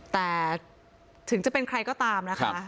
แต่ถึงจะเป็นใครก็ตามนะคะ